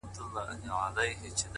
• خو د سپي د ژوند موده وه پوره سوې..